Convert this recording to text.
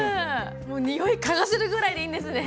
におい嗅がせるぐらいでいいんですね。